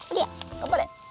がんばれ！